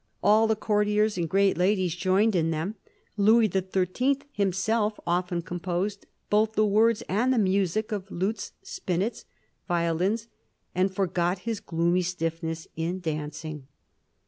All the courtiers and great ladies joined in them ; Louis Xin. himself often composed both the words and the music of lutes, spinets, violins, and forgot his gloomy stiffness in dancing.